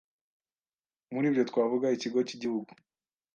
Muri ibyo twavuga: ikigo cy’igihugu